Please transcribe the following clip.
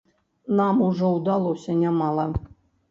Нам ужо ўдалося нямала.